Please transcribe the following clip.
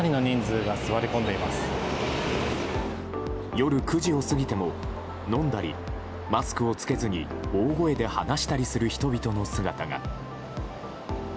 夜９時を過ぎても飲んだり、マスクを着けずに大声で話したりする人々の姿が。